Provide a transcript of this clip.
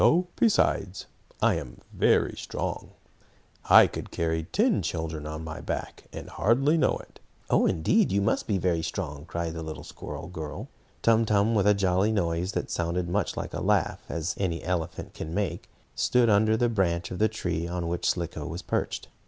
Besides, I am very strong; I could carry ten children on my back, and hardly know it." "Oh, indeed you must be very strong!" cried the little squirrel girl. Tum Tum, with a jolly noise that sounded as much like a laugh as any elephant can make, stood under the branch of the tree on which Slicko was perched.